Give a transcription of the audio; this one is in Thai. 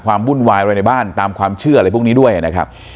วุ่นวายอะไรในบ้านตามความเชื่ออะไรพวกนี้ด้วยนะครับ